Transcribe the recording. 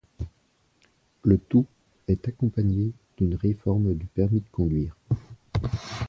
Le tout est accompagné d'une réforme du permis de conduire.